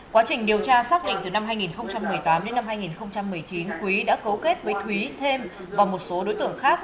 quá trình điều tra xác định từ năm hai nghìn một mươi tám đến năm hai nghìn một mươi chín quý đã cấu kết với thúy thêm và một số đối tượng khác